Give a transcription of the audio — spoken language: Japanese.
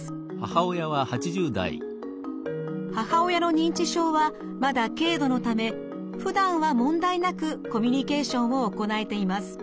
母親の認知症はまだ軽度のためふだんは問題なくコミュニケーションを行えています。